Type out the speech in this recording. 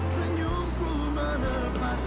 senyumku menepaskan kau pergi